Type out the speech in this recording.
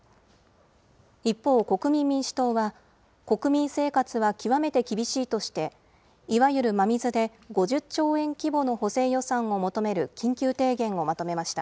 一方、国民民主党は、国民生活は極めて厳しいとして、いわゆる真水で５０兆円規模の補正予算を求める緊急提言をまとめました。